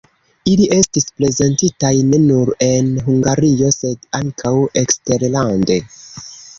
Ili estis prezentitaj ne nur en Hungario, sed ankaŭ eksterlande.